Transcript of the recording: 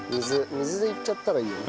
水でいっちゃったらいいよね。